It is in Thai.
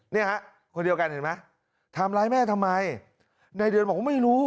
เนี่ยฮะคนเดียวกันเห็นไหมทำร้ายแม่ทำไมในเดือนบอกว่าไม่รู้